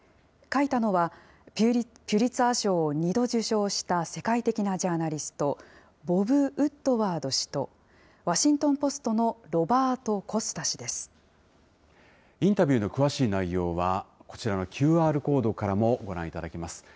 書いたのはピュリツァー賞を２度受賞した世界的なジャーナリスト、ボブ・ウッドワード氏と、ワシントン・ポストのロバート・コスタインタビューの詳しい内容は、こちらのＱＲコードからもご覧いただけます。